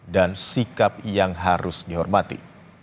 dan sikap yang harus dihormati